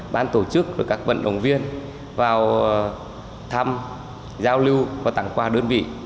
ban tổ chức và các vận động viên vào thăm giao lưu và tặng quà đơn vị